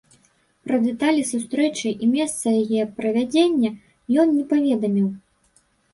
Пра дэталі сустрэчы і месца яе правядзення ён не паведаміў.